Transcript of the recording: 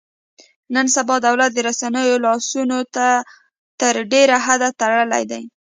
نن سبا دولت د رسنیو لاسونه تر ډېره حده تړلي دي.